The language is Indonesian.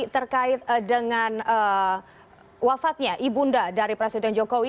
terkait dengan wafatnya ibunda dari presiden jokowi